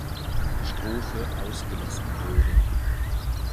Strophe ausgelassen wurde.